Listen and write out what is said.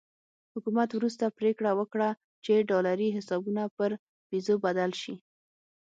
حکومت وروسته پرېکړه وکړه چې ډالري حسابونه پر پیزو بدل شي.